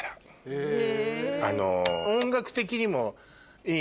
へぇ。